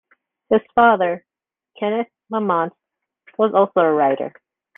Her father, Kenneth Lamott, was also a writer.